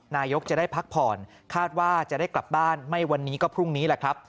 นายกจะได้พักผ่อนคาดว่าจะได้กลับบ้านไม่วันนี้ก็พรุ่งนี้แหละครับ